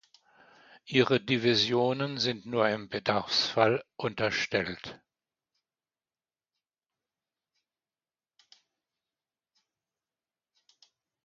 Ihre Divisionen sind nur im Bedarfsfall unterstellt.